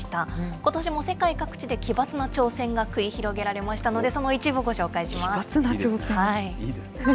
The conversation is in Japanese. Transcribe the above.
ことしも世界各地で奇抜な挑戦が繰り広げられましたので、その一奇抜な挑戦？